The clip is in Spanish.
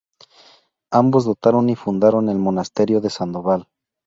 Ambos dotaron y fundaron el Monasterio de Sandoval.